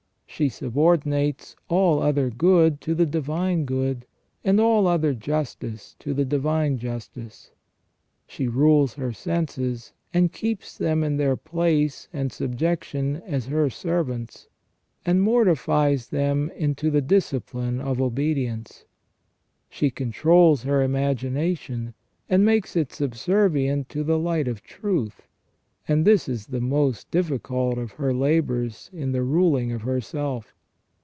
She subordinates all other good to the Divine Good, and all other justice to the Divine Justice. She rules her senses and keeps them in their place and subjection as her servants, and mortifies them into the discipline of obedience. She controls her imagination, and makes it subservient to the light of truth ; and this is the most difficult of her labours in the ruling of herself.